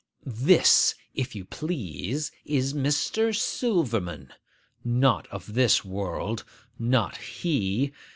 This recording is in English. This, if you please, is Mr. Silverman! Not of this world; not he!